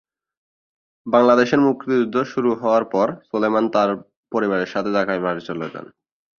বাংলাদেশ মুক্তিযুদ্ধ শুরু হওয়ার পর, সুলেমান তার পরিবারের সাথে ঢাকার বাইরে চলে যান।